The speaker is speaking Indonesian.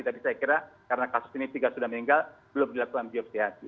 tapi saya kira karena kasus ini tiga sudah meninggal belum dilakukan biopsiasi